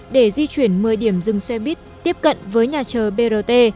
để di chuyển một mươi điểm dừng xe buýt tiếp cận với nhà chờ brt